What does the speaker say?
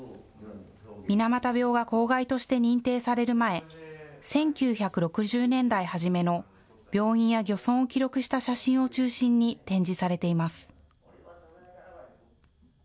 水俣病が公害として認定される前、１９６０年代初めの病院や漁村を記録した写真を中心に展示されています。